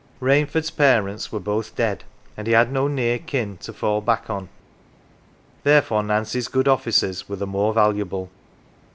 Rainford's parents were both dead, and he had no near " kin " to fall back on, therefore Nancy's good offices were the more valuable.